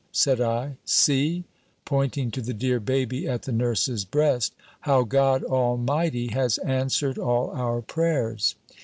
said I, "see" (pointing to the dear baby at the nurse's breast), "how God Almighty has answered all our prayers!"